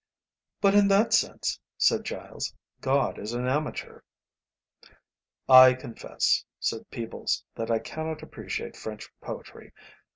"But in that sense," said Giles, "God is an amateur." "I confess," said Peebles, "that I cannot appreciate French poetry.